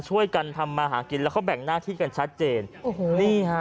ช่วยกันทำมาหากินแล้วเขาแบ่งหน้าที่กันชัดเจนโอ้โหนี่ฮะ